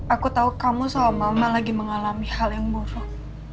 aku tahu kamu sama mama lagi mengalami hal yang buruk